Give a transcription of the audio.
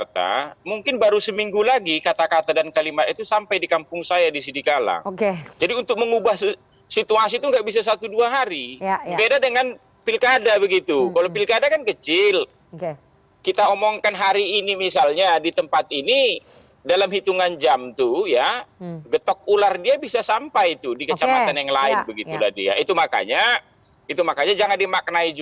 terutama dengan pd perjuangan